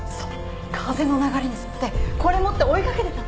風の流れに沿ってこれ持って追いかけてたの。